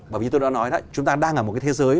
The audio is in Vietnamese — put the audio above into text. bởi vì tôi đã nói chúng ta đang ở một cái thế giới